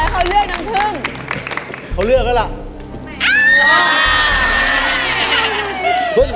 เค้าบอกเค้าเลือกน้ำผึ้ง